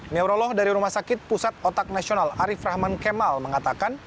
neurolog dari rumah sakit pusat otak nasional arief rahman kemal mengatakan